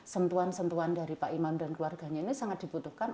sentuhan sentuhan dari pak imam dan keluarganya ini sangat dibutuhkan